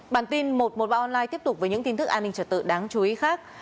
bản tin một trăm một mươi ba online tiếp tục với những tin tức an ninh trật tự đáng chú ý khác